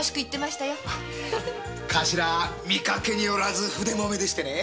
頭見かけによらず筆まめでしてね